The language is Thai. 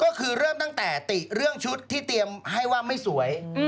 ก็คือเริ่มตั้งแต่ติเรื่องชุดที่เตรียมให้ว่าไม่สวย